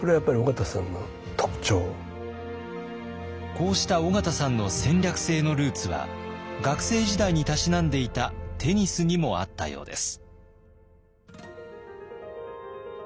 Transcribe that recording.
こうした緒方さんの戦略性のルーツは学生時代にたしなんでいたテニスにもあったようです。